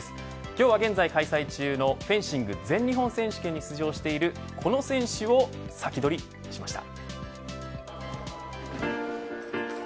今日は現在開催中のフェンシング全日本選手権に出場しているこの選手をサキドリしました。